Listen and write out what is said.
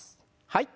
はい。